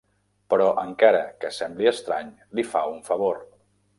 Però, encara que sembli estrany, li fa un favor.